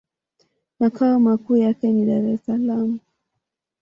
Makao makuu yake ni Dar-es-Salaam.